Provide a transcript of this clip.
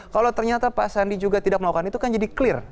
kalau ternyata pak sandi juga tidak melakukan itu kan jadi clear